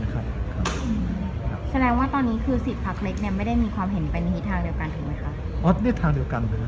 แสดงว่าตอนนี้คือ๑๐ภักดิ์เล็กไม่ได้มีความเห็นเป็นทางเดียวกันถูกไหมครับ